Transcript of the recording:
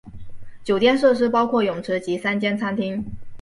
酒店设施包括泳池及三间餐厅。